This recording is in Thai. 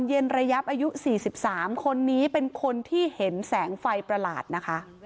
เย็นระยับอายุ๔๓คนนี้เป็นคนที่เห็นแสงไฟประหลาดนะคะ